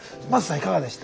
いかがでした？